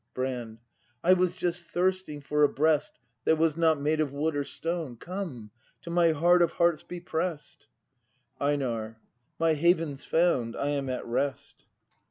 Brand. I was just thirsting for a breast That was not made of wood or stone! Come, to my heart of hearts be press'd! Einar. My haven's found, I am at rest.